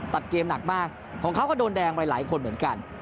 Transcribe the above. ตัดเกมหนักมากของเขาก็โดนแดงไปหลายคนเหมือนกัน